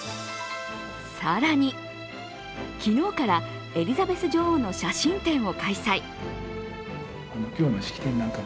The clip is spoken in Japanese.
更に昨日からエリザベス女王の写真展を開催。